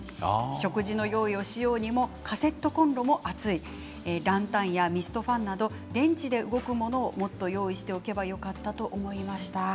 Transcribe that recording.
食事の用意をしようにもカセットコンロも暑いランタンやミストファンなど電池で動くものをもっと用意しておけばよかったと思いました。